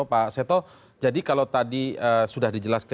pak seto jadi kalau tadi sudah dijelaskan